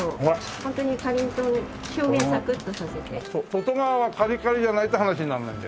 外側はカリカリじゃないと話にならないんだよ